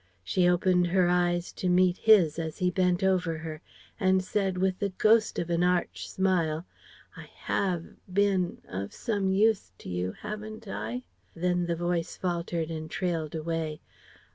She opened her eyes to meet his, as he bent over her, and said with the ghost of an arch smile: "I have been of some use to you, haven't I? ... (then the voice faltered and trailed away)